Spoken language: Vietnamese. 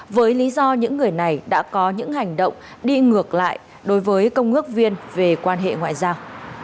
với lý do những người này đã có những hành động đi ngược lại đối với công ước viên về quan hệ ngoại giao